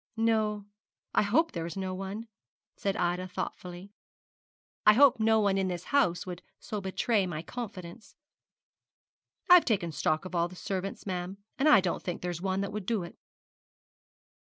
'No; I hope there is no one,' said Ida, thoughtfully. 'I hope no one in this house would so betray my confidence.' 'I've taken stock of all the servants, ma'am, and I don't think there's one that would do it.'